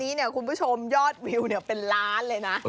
คุณผู้ชมยอดวิวเป็นล้านเลยนะ